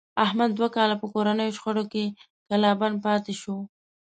احمد دوه کاله په کورنیو شخړو کې کلا بند پاتې شو.